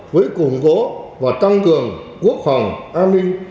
với củng cố và tăng cường quốc phòng an ninh